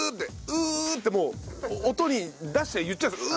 「うう」ってもう音に出して言っちゃうんです。